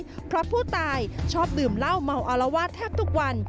เพราะผู้ตายชอบดื่มเหล้าเมาอารวาสแทบทุกวัน